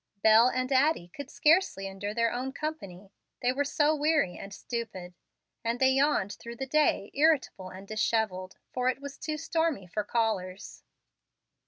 Bel and Addie could scarcely endure their own company, they were so weary and stupid; and they yawned through the day, irritable and dishevelled, for it was too stormy for callers.